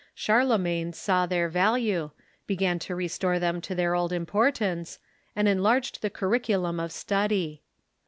Charlemagne saw their value, began to restore them to their old importance, and enlarged the curriculum of study.